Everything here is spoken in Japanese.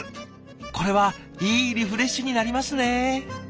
これはいいリフレッシュになりますね。